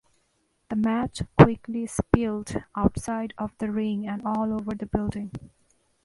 The match quickly spilled outside of the ring and all over the building.